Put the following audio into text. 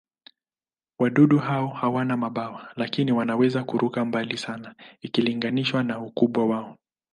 Wadudu hao hawana mabawa, lakini wanaweza kuruka mbali sana ikilinganishwa na ukubwa wao.